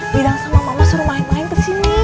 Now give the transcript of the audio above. bidang sama mama suruh main main kesini